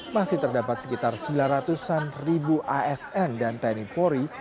masih terdapat sekitar sembilan ratus an ribu asn dan tni polri